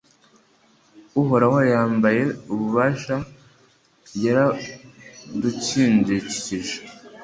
Uhoraho yambaye ububasha yarabukindikije